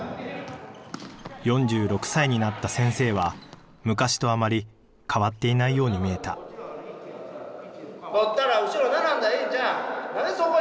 ４６歳になった先生は昔とあまり変わっていないように見えたとったら後ろ並んだらええんちゃう。